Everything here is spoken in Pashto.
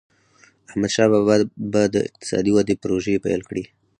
احمدشاه بابا به د اقتصادي ودي پروژي پیل کړي.